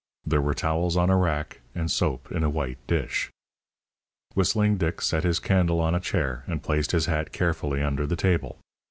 There were towels on a rack and soap in a white dish. Whistling Dick set his candle on a chair and placed his hat carefully under the table.